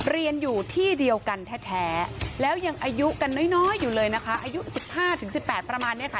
เรียนอยู่ที่เดียวกันแท้แท้แล้วยังอายุกันน้อยน้อยอยู่เลยนะคะอายุสิบห้าถึงสิบแปดประมาณเนี้ยค่ะ